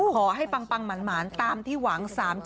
ขอให้ปังหมานตามที่หวัง๓๗๙